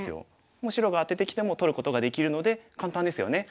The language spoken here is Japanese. もう白がアテてきても取ることができるので簡単ですよね。